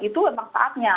itu memang saatnya